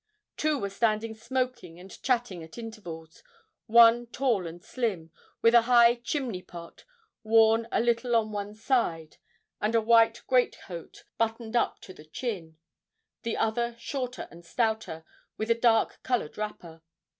Two were standing smoking and chatting at intervals: one tall and slim, with a high chimney pot, worn a little on one side, and a white great coat buttoned up to the chin; the other shorter and stouter, with a dark coloured wrapper.